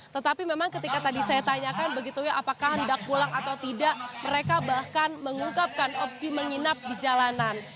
tetapi memang ketika tadi saya tanyakan begitu ya apakah hendak pulang atau tidak mereka bahkan mengungkapkan opsi menginap di jalanan